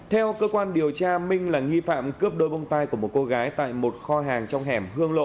theo cơ quan điều tra minh là nghi phạm cướp đôi bông tai của một cô gái tại một kho hàng trong hẻm hương lộ